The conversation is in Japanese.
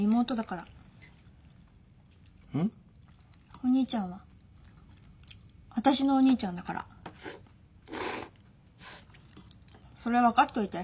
お兄ちゃんはわたしのお兄ちゃんだから。それ分かっといて。